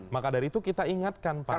maka dari itu kita ingatkan pada